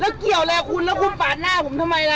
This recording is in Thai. แล้วเกี่ยวอะไรจริงแล้วคุณป่านหน้าผมทำไมล่ะ